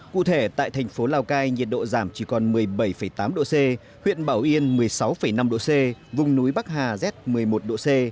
cụ thể tại thành phố lào cai nhiệt độ giảm chỉ còn một mươi bảy tám độ c huyện bảo yên một mươi sáu năm độ c vùng núi bắc hà z một mươi một độ c